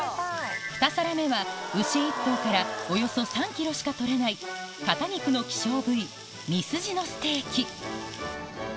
２皿目は牛１頭からおよそ３ｋｇしか取れない肩肉の希少部位うん！